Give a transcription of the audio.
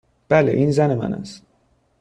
بله. این زن من است.